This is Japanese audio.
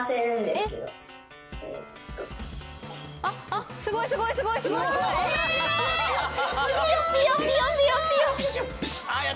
すごいすごいすごい！えっ！？